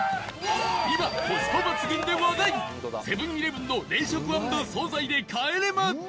今コスパ抜群で話題セブン−イレブンの冷食＆惣菜で『帰れま１０』